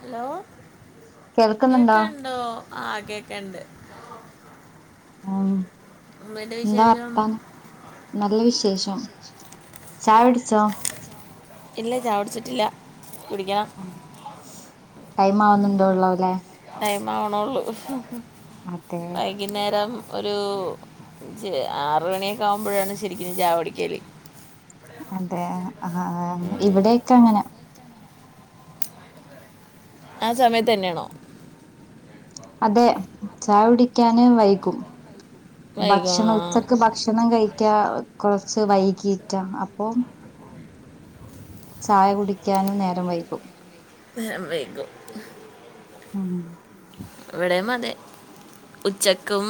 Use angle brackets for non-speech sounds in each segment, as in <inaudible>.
Hello കേൾക്കുന്നുണ്ടോ കേക്കണ്ടോ ആ കേക്കണ്ട് ആ എന്താ വർത്താനം നല്ല വിശേഷം ചായ കുടിച്ചോ ഇല്ല ചായ കുടിച്ചിട്ടില്ല കുടിക്കണം ടൈം ആവുന്നുണ്ടോ ഉള്ളൂലെ ടൈം ആവണുള്ളൂ വൈകിന്നേരം ഒരു ആറ് മണിയൊക്കെ ആകുമ്പോഴാണ് ശരിക്കലും ചായ കുടിക്കല് അതെയാ ആ ആ ഇവിടെയൊക്കെ അങ്ങനാ ആ സമയത്ത് തന്നെയാണോ അതെ ചായു ടിക്കാന് വൈകും വൈകും ഭക്ഷണം ആ ഉച്ചക്ക് ഭക്ഷണം കഴിക്കാ കുറ സൊ വൈകിയിട്ടാ അപ്പൊ ചായ കുടിക്കാനു നേരം വൈകും വൈഗും ഉം ഇവിടേം അതെ ഉച്ചക്കും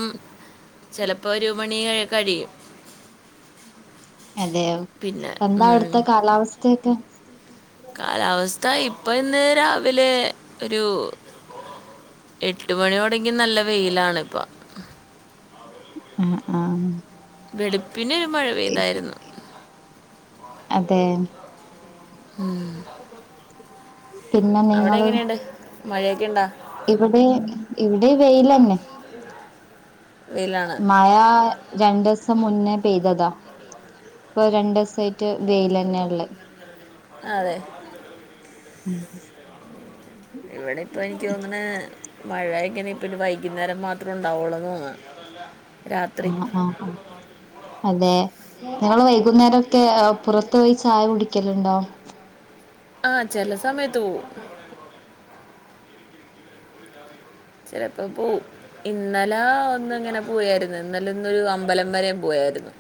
ചെലപ്പോ ഒരു മണി കഴിയും അതെയോ പിന്നെ എന്താ ഉം, അവിടുത്തെ കാലാവസ്ഥയൊക്കെ കാലാവസ്ഥ ഇപ്പോ ഇപ്പൊ ഇന്ന് രാവിലെ ഒരു എട്ട് മണിയോടെങ്കി നല്ല വെയിലാണ് ഇപ്പ ആ ആ വെളിപ്പ് പിന്നെരു മഴ പെയ്തായിരുന്നു അതെ ഉം പിന്നെ നിങ്ങള് മഴയൊക്കെ ഇണ്ടാ ഇവിടെ ഇവിടെ വെയിലന്നെ വെയിലാണ് മഴ രണ്ട്സ് സം മുന്നേ പെയ്തതാ ഇപ്പൊ രണ്ട ദിവസമായിട്ട് വെൽ തന്നെയ ഉള്ള അതെ ഉം ഇവിടെ ഇപ്പൊ എനിക്ക് തോന്ന്ണ് മഴയൊക്ക ഇപ്പ വൈകുന്നേരം മാത്രം ഉണ്ടാവുള്ളൂന്ന് തോന്നാ ആ ആ ആ അതെ നിങ്ങള് വൈകുന്നേരൊക്കെ പുറത്ത് പോയി ചായ കുടിക്കലുണ്ടോ ആ ചെല സമയത്തു പോവു ചിലപ്പോ പോഉ. ഇന്നലെ ഒന്ന് ങ്ങനെ പോയായിര്ന്നു. ഇന്നലെ ന്നരു അമ്പലം വരേം പോയായിരുന്നു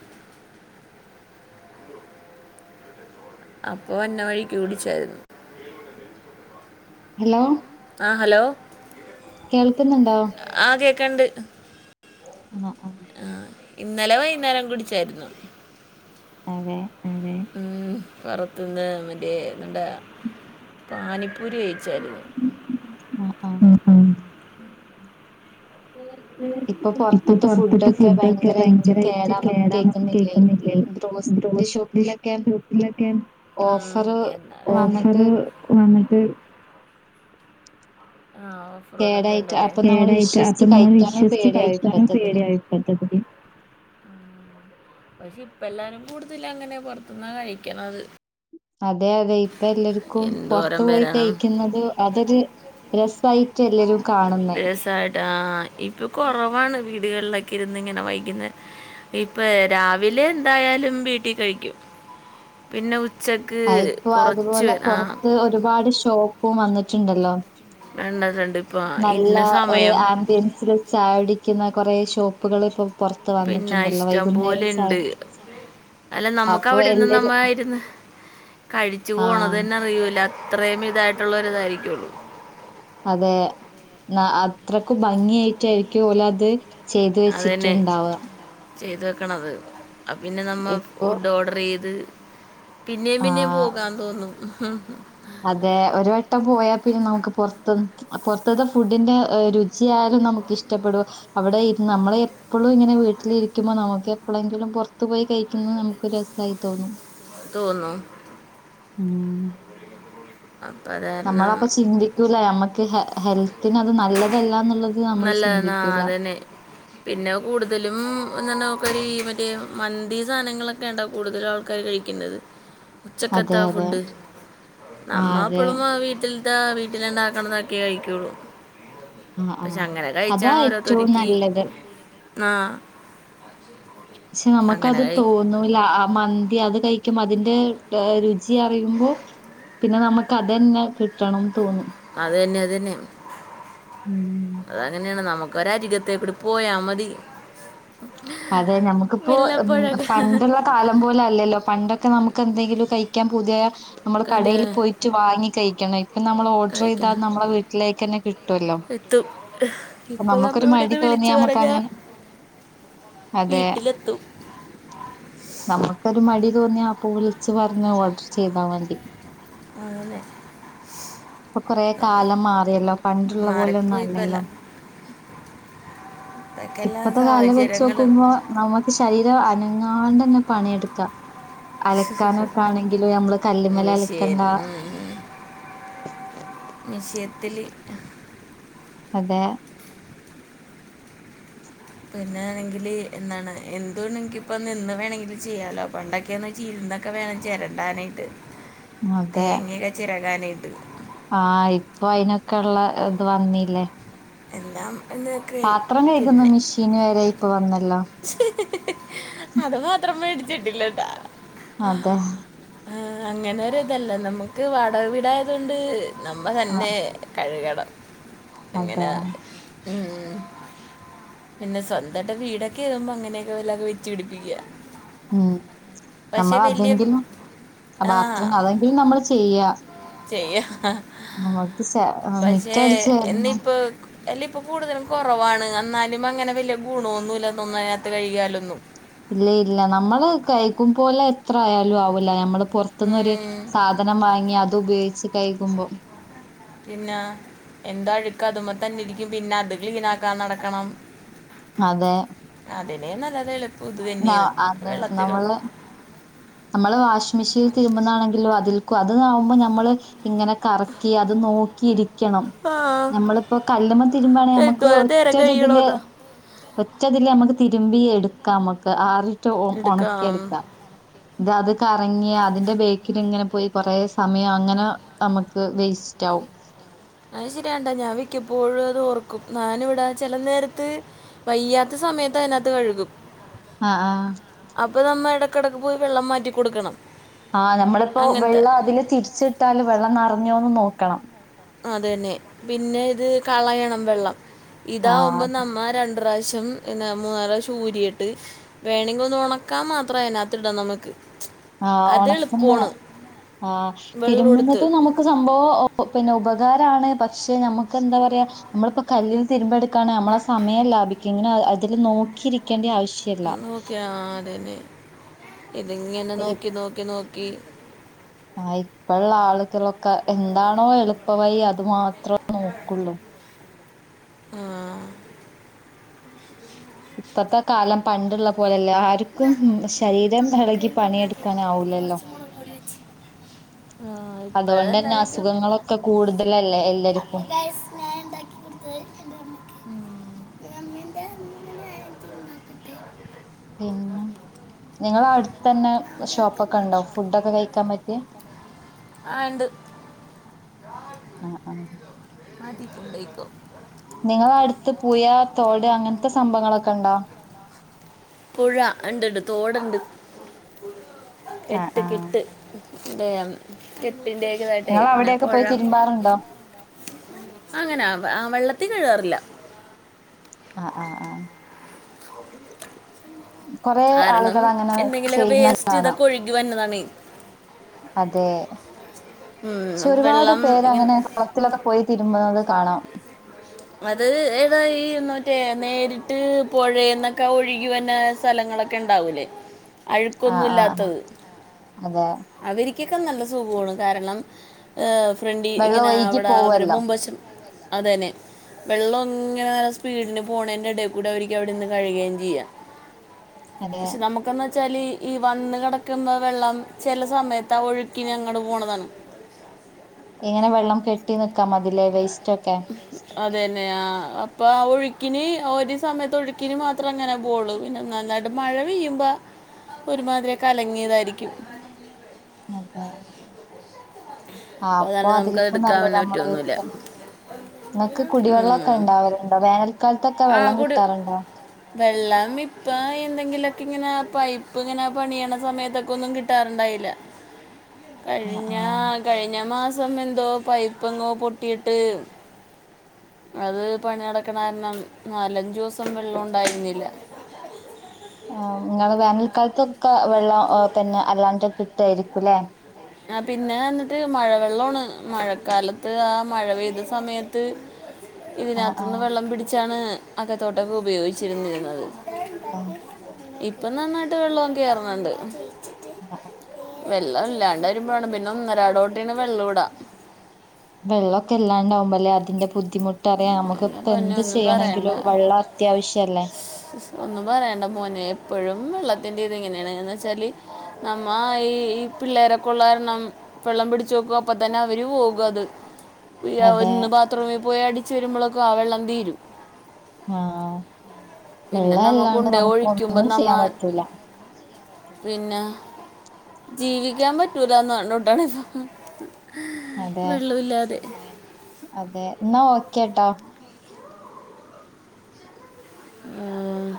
അപ്പൊ വന്ന വഴിക്ക് ഉടിച്ചായ്രു ഹലോ ആ ഹലോ കേൾക്കുന്നുണ്ടോ? കണ്ട് ആ ആ ഇന്നലെ വൈകുന്നേരം കുടിച്ചായിരുന്നു അതെ ആ പുറത്തുന്ന് മറ്റേ എണ്ട പാനിപ്പ പൂരിയഴിച്ചായിരുന്നു ആഹ് ആഹ് ഉം ഉം ഇപ്പൊ പൊറത്തത്ത ഫുഡൊക്കെ ഭയങ്കരമായിട്ട് കേടാന് കേക്കുന്നില്ലേ ഗ്രോസറി ഗ്രൂപ്പിലൊക്കെ ഓഫറ് ഓഫർ വന്നിട്ട് വന്നിട്ട് എം ഓഫർ കേടായിട്ട് വന്നിട്ടുണ്ടല്ലേ അപ്പൊ നമ്മള് കേടായിട്ട് അപ്പൊ വിശ്വസിച്ച് നമ്മൾ കഴിക്കാനും വിശ്വസിച്ച് പേടിയാ കഴിക്കാനും ഇപ്പത്തതില് പേടിയായിട്ട് ഇപ്പത്ത പക്ഷെ ഇപ്പ എല്ലാരും കൂടുതൽ അങ്ങനെ പൊറത്തുന്നാ കഴിക്കണത് അതെ അതെ ഇപ്പ എല്ലാർക്കും പുറത്തു എന്തോരം പോയി വരണം കഴിക്കുന്നത് അതൊരു രസായിട്ട് എല്ലരും കാണുന്നേ രസമായിട്ടാ ഇരുന്നിങ്ങനെ വൈകുന്ന ഇപ്പ രാവിലെ എന്തായാലും വീട്ടി കഴിക്കും പിന്നെ ഉ ഉച്ചക്ക് ആ, ഇപ്പൊ കുറച്ച് അതുപോലെ പേ- ആ പൊറത്ത് ഒരുപാട് ഷോപും വന്നിട്ടുണ്ടല്ലോ കണ്ടിട്ടുണ്ട് ഇപ്പൊ നല്ല ഇന്ന ഓരോ സമയം ആംബിയൻസിൽ ചായ കുടിക്കുന്ന കുറേ ഷോപ്പ് പുകളേപോ പിന്നെ ഇഷ്ടം പോലെണ്ട് അല്ല നമ്മുക്ക് അപ്പൊ അവിടെരുന്ന് നമ്മ എല്ലാരും ആയിന്ന് കഴിച്ചു ആ പോണതനെ അറിയുല ഇത്രയും ഇതായിട്ടുള്ള രു ഇതായിരിക്കള്ളു അതെ ന അത്രക്കും ഭംഗിയ ആയിട്ടായിരിക്കും ഒൽ അത് ചെയ്തു അതന്നെ വെച്ചിട്ടുണ്ടാവ. ചെയ്തു വെക്കണത് പിന്നെ നമ്മൾ ഇപ്പൊ ഫുഡ് ഓർഡർ ചെയ്ത് പിന്നേം പിന്നേം ആ പോകാൻ തോന്നും അതെ ഒരു വട്ടം പോയാൽ പിന്നെ നമുക്ക് പുറത്ത് പുറത്തത്തെ ഫുഡിന്റെ രുചിയായാലും നമുക്ക് ഇഷ്ടപ്പെടും അവിടെ രുന്ന് നമ്മള എപ്പോഴും ഇങ്ങനെ വീട്ടിലിരിക്കുമ്പോ നമുക്ക് എപ്പോളെങ്കിലും പുറത്തു പോയി കഴിക്കുന്നത് നമുക്ക് രസയി തോന്നും തോന്നും ഉം അപ്പം അത് നമ്മള കാരണം അപ്പ ചിന്തിക്കൂല നമ്മക്ക് ഹെ ഹെൽത്ത് തിന് നല്ലതല്ല എന്നുള്ളത് നമ്മള് നല്ലന്നാ ചിന്തിക്കൂല. അതന്നെ പിന്നെ കൂടുതലും ഇങനോക്കലും മേ മന്തി സാധനങ്ങളൊക്കെ ഉണ്ടാ കൂടുതൽ ആൾക്കാര് കഴിക്കണ്ടുന്നത് അതെ ഉച്ചക്കത്താ അതെ. ഫുഡ് ആ അതെ. നമ്മപ്പോളും വീട്ടിൽ ഇ വീട്ടില ഇണ്ടാക്കണതൊക്കെ കഴിക്കുള്ളൂ ആ ആ പക്ഷെ അങ്ങനെ അതാ കഴിച്ചാണ് ഏറ്റവും ഓരോരുത്തർക്ക് നല്ലത് ആ ക്ഷെ അങ്ങനെ അമ്മക്കത് കഴി തോന്നൂലാ ആ മം തി അത് കഴിക്കുമ്പോ അതിന്റെ ത രുചി അറിയുമ്പോ പിന്നെ നമ്മക്ക് അതന്നെ കിട്ടണം തോന്നും. അത് തന്നെ അത് തന്നെ ഉം. അങ്ങനെയാണ് നമു ഒരു അരികത്തെ കൂടെ പോയാ മതി അതെ ഞമ്മക്കിപ്പോ വല്ലപ്പോഴൊക്കെ പണ്ടുള്ള കാലം പോലെ അല്ലല്ലോ പണ്ടൊക്കെ നമുക്ക് എന്തെങ്കിലും കഴി ക്യാൻ പുതിയ നമ്മള് കല് കടേല് പോയിറ്റ് വാങ്ങി കയിക്കണം ഇപ്പൊ നമ്മള് ഓഡ്രെയ്താൽ കഴിക്കണം അത് നമ്മളെ വീട്ടിലേക്ക് തന്നെ കിട്ടുവല്ലോ എത്തും അ ഇപ്പൊ നമ്മൾ നമ്മുക്കൊരു മടി ഇവിടുന്ന് വിളിച്ചു തോന്നിയാ മമ്മുക്ക് പറഞ്ഞ അങ്ങനെ അതെ വീട്ടിലെത്തും നമ്മുക്കൊരു മടി തോന്നിയാ പ്പൊ വിളിച്ച് പറഞ്ഞാ ഓഡർ ചെയ്താ മതി അതല്ലേ പ്പ കൊറെ നമ്മൾ കാലം മാറിയല്ലോ പണ്ടുള്ള പോലൊന്നും മാറിപ്പോയി അല്ലല്ലോ തെക്കെല്ലാം സാഹചര്യം ചോക്കുമ്പോ നമുക്ക് ശരീരം അന ങ്ങാണ്ടെന്നെ പണി എടുക്കാം കല്ലുമ്മല് മിഷേൻ അലക്കണ്ട. ഉ ഉ മിഷേത്തിലിട്ടാ അതെ പിന്നാണെങ്കില് എന്താണ് <unintelligible> ഇപ്പ നിന്ന് വേണങ്കിലും ചെയ്യാലോ പണ്ടൊക്കെന്ന്ച്ചാ ഇരുന്നൊക്കെ വേണം ചേരണ്ടാനായിട്ട് തേങ്ങെ ചെരകാനേ ആ ഇപ്പൊ അയിനൊക്കൊള്ള ഇത് വന്നീല്ലേ എല്ലാം എന്നക്കെ കഴുകുന്ന പിന്നെ മെഷീന് വരെ ഇപ്പൊ വന്നല്ലോ അത് മാത്രം മേടി റ്റിഡില്ല ഡാ <unintelligible> അതെ അ അങ്ങന ഒരു ഇതല്ല നമുക്ക് വാടക വീടായതോണ്ട് നമ്മ ആഹ് തന്നെ കഴുക ബ അതെ <unintelligible> പിന്നെ സ്വന്താട്ട് വീടൊക്കെ ആമ്പോ അങ്ങനെയൊക്കെ വല്ലോം വെച്ച് പിടിപ്പിക്കാ ഉം നമ്മളതെങ്കിലും പത്രങ്ങ അതെങ്കിലും നമ്മള് ചെയ്യാ ചെയ്യ നമ്മൾക്ക് ചെ ആ, പക്ഷെ മിറ്റടിച്ച് വാരുന്ന എന്നിയിപ്പൊ യല്ല ഇപ്പൊ കൂടുതലും കൊറവാണ് എന്നാലും അങ്ങനെ വല്യ ഗുണോന്നു ഇല്ലാന്ന് <unintelligible> അയ്നാത്ത് കഴിയാലൊന്നും ഇല്ല ഇല്ല നമ്മള് കഴിക്കും പോലെ എത്ര ആയാലും ആവൂല്ല അമ്മള് പൊറത്തുനൊരു ഉം. സാധനം വാങ്ങി അതുപയോ കഴിക്കുമ്പോം പിന്നെ എന്താ അഴുക്ക് അത്പ തന്നെ ഇരിക്കും പിന്നെ അത് ക്ലീൻ ആക്കാ നടക്കണം അതെ അതിനെയ നല്ലതെ എള് നാ അത് നമ്മള് നമ്മള് വാഷിംഗ് മെഷീനിൽ തിരുമ്പുന്നാണെങ്കിലോ അതിൽക്ക അത് ആാവുമ്പോൾ നമ്മള് ഇങ്ങനെ കറക്കി അത് നോക്കി ഇരിക്കണം ആ നമ്മളിപ്പോ കല്ലുമ തിരുമ്പയാണെങ്കിൽ നമുക്ക് എന്തോരം നേരം ഒറ്റതില് കഴിയണോന്നാ ഒറ്റതില് നമുക്ക് തിരുമ്പി എടുക്കാം നമുക്ക് ആറി ഏറ്റവും എടുക്കാം ഉണക്കിയെടുക്കാം ഇത അത് കറങ്ങിയ അതിന്റെ ബേക്കിൽ ഇങ്ങനെ പോയി കൊറെ സമയം അങ്ങനെ നമുക്ക് വേസ്റ്റ് ആകും അ ശരിയാണ്ടാ ഞാൻ വിക്കപ്പോഴും അത് ഓർക്കും ഞാനിവിട ചെല നേരത്ത് വയ്യാത്ത സമയത്ത് അതിനകത്ത് കഴുകും ആഹ ആഹ ഇപ്പോൾ നമ്മൾ ഇടയിടക്ക് പോയി വെള്ളം മാറ്റി കൊടുക്കണം ആഹ് നമ്മളിപ്പോ അങ്ങനത്തെ വെള്ളം അതില് തിരിച്ചിട്ടാല് വെള്ളം നിറഞ്ഞോന്ന് നോക്ക ക്കാം <unintelligible> അത തന്നെ പിന്നെ ഇത് കളയണം വെള്ളം ഇതാവുമ്പോ ആഹ് നമ്മ രണ്ട പ്രാവശ പം പി മൂന്നര ചൂരിയയിട്ട് വേണമെങ്കിൽ ഒന്ന് ഉണക്കാൻ മാത്രമായിതിനകത്തിടാം നമുക്ക് ആ അത് ഉണക്കുന്ന എളുപ്പമാണ് ആ വെള്ളം എടുത്ത് തിരുമ്മുന്നതും നമുക്ക് സംഭവം പിന്നെ ഉ രാണ് പക്ഷെ നമുക്ക് എന്താ പറയാ നമ്മളിപ്പോ കല്ൽ രുമ്പെടുക്കാണ് നമ്മള ആ സമയം ലാഭിക്കും ഇങ്ങനെ അതിൽ നോക്കിയിരിക്കേണ്ടി ആവശ്യ ഓക്കെയ അതെന്നെ ഇതിങ്ങനെ ഈ നോക്കി നോക്കി നോക്കി ആഹ് ഇപ്പള്ള ആളുകളൊക്കെ എന്താണോ എളുപ്പ വഴി അതു മാത്രം നോക്കുള്ളൂ ആ ഇപ്പത്തെ കാലം പണ്ടുള്ള പോലെല്ല ആർക്കും ശരീരം ഇളകി പണിയെടുക്കാനാവൂലല്ലോ അതുകൊണ്ടന്നെ അസുഖങ്ങളൊക്കെ കൂടുതലല്ലേ എല്ലർക്കും <unintelligible> അമ്മൻ്റെ അമ്മ ആയിരത്തി തൊണ്ണൂറ്റട്ട് <unintelligible> നിങ്ങടെ അടുത്ത് തന്നെ ഷോപ്പൊക്കെ ഉണ്ടോ ഫുഡോക്കെ കഴിക്കാൻ പറ്റിയെ ആ ഉണ്ട് ആ ആ ആദ്യത്തണ്ടേക്കും നിങ്ങ അടുത്ത് പുഴ, തോട് അങ്ങനത്തെ സംഭങ്ങളൊക്കെ ഉണ്ടോ ഉണ്ടുണ്ട് തോടുണ്ട് ആഹ് എട്ട് ആഹ് കിട്ട് <unintelligible> <unintelligible> നിങ്ങള് പിന്നെ അവിടെയൊക്കെ പൊഴ പോയി തിരുമ്പാറുണ്ടോ അങ്ങനെ ആ വെള്ളത്തി കത്തി കഴാറില്ല ആ ആ ആ കൊറേ കാരണം ആളുകൾ അങ്ങനെ എന്തെങ്കിലുമൊക്കെ ചെയ്യുന്ന വേസ്റ്റ് കാണാം ഇതൊക്കെ ഒഴുകി വരുന്നതാണ് അതെ പക്ഷെ ഉം, ഒരുപാട് വെള്ളം പേര് ഇങ്ങനെ അങ്ങനെ കുളത്തിലൊക്കെ പോയി തിരു മ കാണാം അത് ഏതാ ഈ മറ്റേ നേരിട്ട് പുഴയിന്നൊക്കെ ഒഴുകി വരുന്ന സ്ഥലങ്ങളൊക്കെ ഉണ്ടാവൂലേ ആ ആ അഴുക്കൊന്നൂല്ലാത്തത് അതെ അതിരി കിക്കൊക്കെ നല്ല സുഖമാണ് കാരണം ഫ്രണ്ടിൽ വെള്ളം ഇങ്ങനെ ഒഴുകി അവിടെ അവര് പോവല്ലോ മുൻവശം അതന്നെ വെള്ളം ഇങ്ങനെ നല്ല സ്പീഡീന് പോണേന്റെ എടേൽ കൂടെ അവർക്ക് അവിടെന്ന് കഴുകയും ചെയ്യാം അതെ പക്ഷെ നമുക്കെന്നാ വച്ചാല് ഈ വന്ന് കിടക്കുന്ന വെള്ളം ചില സമയത്ത് ആ ഒഴുക്കിനങ്ങട് പോണതാണ് എങ്ങനെ വെള്ളം കെട്ടി നിക്കാം അതിലെ വേസ്‌റ്റോ അത് തന്നെ അപ്പൊ ആ ഒഴി ക്കിന് ഒരു സമയത്ത് ഒഴുക്കിനി മാത്രേ അങ്ങനെ പോവുളളൂ പിന്നെ നന്നായിട്ട് മഴ പെയ്യുമ്പോ ഒരു മാതിരികലങ്ങിയതായിരിക്കും കലങ്ങിയതായിരിക്കും അതെ ആ അപ്പോൾ അപ്പൊ അതാണ് നമുക്ക് അതിലിപ്പോ നല്ലത് എടുക്കാൻ നമ്മള് പറ്റുമൊന്നുമില്ല വത്തം നിങ്ങക്ക് കുടിവെള്ളമൊക്കെ ഇണ്ടാവലുണ്ടോ വേനൽ ക്കാലത്തൊക്കെ ആ വെള്ളം കൊടു കിട്ടാറുണ്ടോ വെള്ളം ഇപ്പ എന്തെങ്കിലൊക്കെ ഇങ്ങനെ പൈപ്പ് ഇങ്ങനെ പണിയണ സമയത്തൊക്കെ ഒന്നും കിട്ടാറുണ്ടായില്ല ആ ആ കഴിഞ്ഞ കഴിഞ്ഞ മാസം സമയം എന്തോ പൈപ്പങ്ങോ പൊട്ടിയിട്ട് അത് പണി നടക്കണ കാരണം നാലഞ്ചു ദിവസം വെള്ളം ഇണ്ടായിരുന്നില്ല ആ നിങ്ങള് വേനൽക്കാലത്തും ഒക്കെ വെള്ളം തന്നെ അല്ലാണ്ട് കിട്ടുവാരിക്കും അല്ലേ ആ പിന്നെ എന്നിട്ട് മഴ വെള്ളമാണ് മഴക്കാലത്ത് ആ മഴ പെയ്ത സമയത്ത് ആ ആ ഇതിനകത്തൂന്ന് വെള്ളം പിടിച്ച് വച്ചാണ് അകത്തോട്ടൊക്കെ ഉപയോഗിച്ചിരുന്നിരുന്നത് ആ ഇപ്പം നന്നായിട്ട് വെള്ളം കെർണ് ണ്ട് ആ, ആ. വെള്ളം ഇല്ലാണ്ടെ പ <unintelligible> പിന്നെ ഒന്നരാടോട്ടീന് വെള്ളൂടാ വെള്ളക്കെ ഇല്ലാണ്ടാവുമ്പോ അതിന്റെ ബുദ്ധിമുട്ട് അറിയാം, പിന്നെ നമുക്കിപ്പൊ പൊന്നെ എന്ത് ഒന്നും പറയണ്ട ചെയ്യണെങ്കിലോ വെള്ളം അത്യാവശ്യല്ലേ. ത് എന്ത് ചെയ്താ ഇങ്ങനെയാണ്, എന്ന് വെച്ചാല് നമ്മ ഈ ഈ പിള്ളേരൊക്കൊള്ളാരണം വെള്ളം പിടിച്ച് വെക്കും, അപ്പ തന്നെ അവര് പോകും അത് <unintelligible> അതെ ഒന്ന് ബാത്റൂമി പോയി അടി വെക്കും, ആ വെള്ളം തീരും. ആഹ് പിന്നെ നമ്മ കൊണ്ടേ ഒഴിക്കുമ്പോ നമ്മ ചെയ്യാൻ പറ്റൂല. പിന്നെ ജീവിക്കാൻ പറ്റൂലാന്ന് പറഞ്ഞ് കൂട്ടാണ് ഇപ്പൊ അതെ വെള്ളോല്ലാതെ അതെ എന്നാ ഓക്കേ ട്ടോ ആഹ്